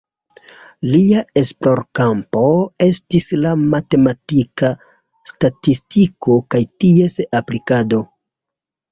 Lia esplorkampo estis la matematika statistiko kaj ties aplikado.